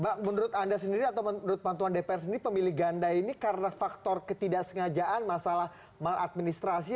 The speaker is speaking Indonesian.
mbak menurut anda sendiri atau menurut bantuan dpr sendiri pemilih ganda ini karena faktor ketidaksengajaan masalah maladministrasi